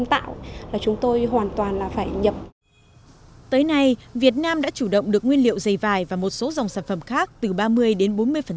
tới nay việt nam đã chủ động được nguyên liệu dày vải và một số dòng sản phẩm khác từ ba mươi đến bốn mươi